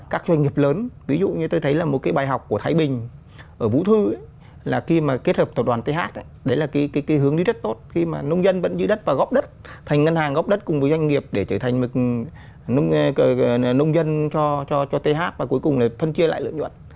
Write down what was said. các doanh nghiệp lớn ví dụ như tôi thấy là một cái bài học của thái bình ở vũ thư là khi mà kết hợp tập đoàn th đấy là cái hướng đi rất tốt khi mà nông dân vẫn giữ đất và góp đất thành ngân hàng góp đất cùng với doanh nghiệp để trở thành một nông dân cho th và cuối cùng là phân chia lại lợi nhuận